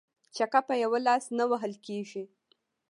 ـ چکه په يوه لاس نه وهل کيږي.